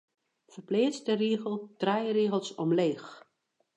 Ferpleats de rigel trije rigels omleech.